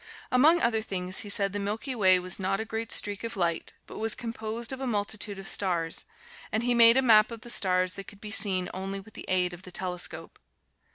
Among other things, he said the Milky Way was not a great streak of light, but was composed of a multitude of stars; and he made a map of the stars that could be seen only with the aid of the telescope.